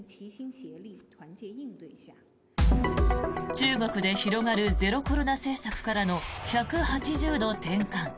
中国で広がるゼロコロナ政策からの１８０度転換。